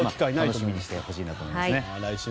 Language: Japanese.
楽しみにしてほしいと思います。